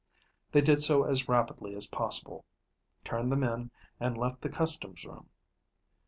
They did so as rapidly as possible, turned them in, and left the customs room.